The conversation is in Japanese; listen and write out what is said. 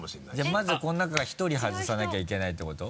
まずこの中から１人外さなきゃいけないってこと？